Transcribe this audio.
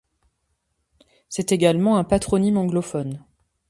C'est également un patronyme anglophone.